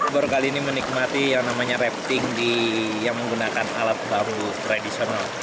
baru kali ini menikmati yang namanya rapting yang menggunakan alat bambu tradisional